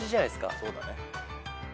そうだね。